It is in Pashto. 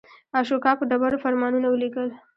اشوکا په ډبرو فرمانونه ولیکل.